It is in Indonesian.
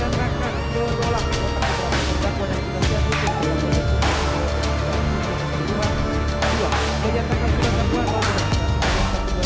dan juga berusaha selalu dengan kemampuan yang sama sekali